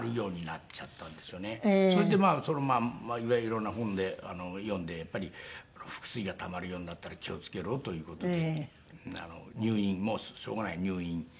それで色んな本で読んでやっぱり腹水がたまるようになったら気を付けろという事で入院もしょうがない入院させましたけど。